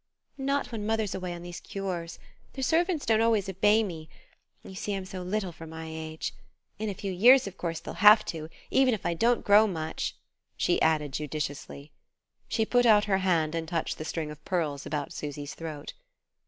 "Not when mother's away on these cures. The servants don't always obey me: you see I'm so little for my age. In a few years, of course, they'll have to even if I don't grow much," she added judiciously. She put out her hand and touched the string of pearls about Susy's throat.